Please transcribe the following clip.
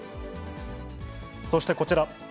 そしてこちら。